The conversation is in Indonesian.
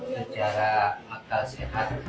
secara mata sehat